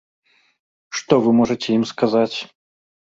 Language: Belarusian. Што вы можаце ім сказаць?